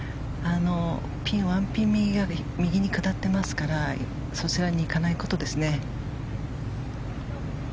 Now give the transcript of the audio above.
１ピン右に下っていますからそちらに行かないことですね。